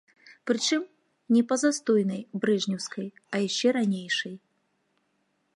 Прычым, не па застойнай брэжнеўскай, а яшчэ ранейшай.